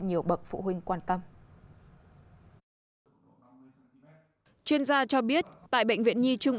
nhiều bậc phụ huynh quan tâm chuyên gia cho biết tại bệnh viện nhi trung